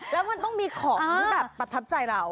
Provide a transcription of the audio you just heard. แล้วมันต้องมีของแบบประทับใจเรา